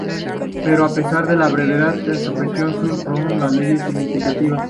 Pero, a pesar de la brevedad de su gestión, Sal promulgó dos leyes significativas.